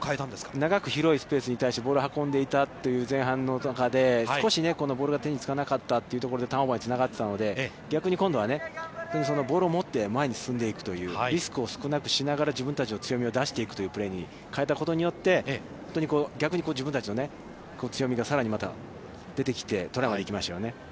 長く広いスペースに対してボールを運んでいたという前半の中で、少しこのボールが手につかなかったというところでターンオーバーにつながっていたので、逆に今度はボールを持って前に進んでいくというリスクを少なくしながら自分たちの強みを出していくというプレーに変えたことによって、逆に自分たちの強みがさらにまた出てきて、トライまで行きましたよね。